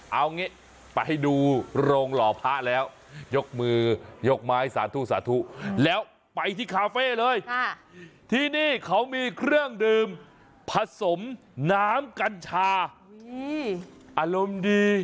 เอางี้ไปดูโรงหล่อพระแล้วยกมือยกไม้สาธุสาธุแล้วไปที่คาเฟ่เลยที่นี่เขามีเครื่องดื่มผสมน้ำกัญชาอารมณ์ดี